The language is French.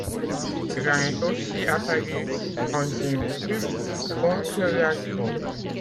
Curran est aussi apparue dans une pub contre la drogue.